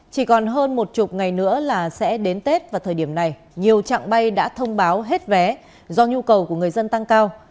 chỉ còn hơn một chục ngày nữa là sẽ đến tết và thời điểm này nhiều trạng bay đã thông báo hết vé do nhu cầu của người dân tăng cao